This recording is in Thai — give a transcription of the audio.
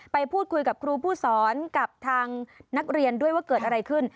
ไปพูดคุยกับครูผู้สอนกับทางนักเรียนด้วยว่าเกิดอะไรขึ้น